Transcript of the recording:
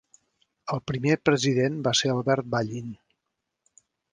El primer president va ser Albert Ballin.